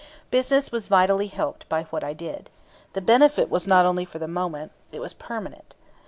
Business was vitally helped by what I did. The benefit was not only for the moment. It was permanent.